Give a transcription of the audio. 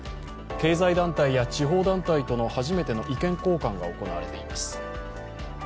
経済団体や地方団体との初めての意見交換が行われています。